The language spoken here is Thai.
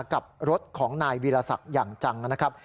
กับรถของนายวีรศักดิ์อย่างจังนะครับ